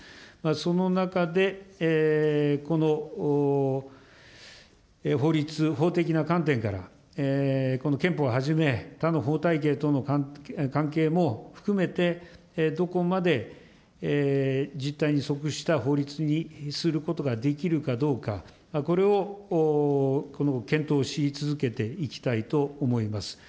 その中で、この法律、法的な観点から、この憲法をはじめ、他の法体系との関係も含めて、どこまで実態に即した法律にすることができるかどうか、これを検討し続けていきたいと思います。